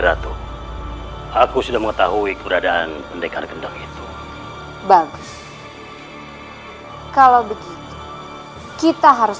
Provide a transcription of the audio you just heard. ratu aku sudah mengetahui keberadaan pendekar gendong itu bagus kalau begitu kita harus